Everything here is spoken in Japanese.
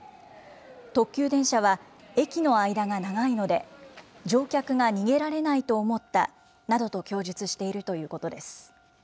特急電車は駅の間が長いので、乗客が逃げられないと思ったなどと供述しているということです。